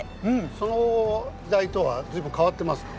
その時代とは随分変わってますか？